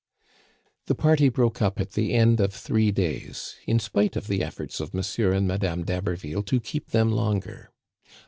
The party broke up at the end of three days, in spite of the efforts of M. and Madame d'Haberville to keep them longer.